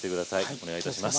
お願いいたします。